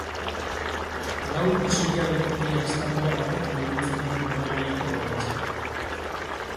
Lau isurialdeko teila-estaldura batek burutzen du Donamariako dorretxea.